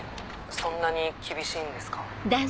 そんなに厳しいんですか？